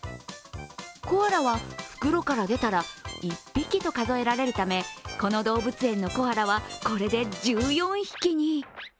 コアラは袋から出たら、１匹と数えられるためこの動物園のコアラはこれで１４匹に。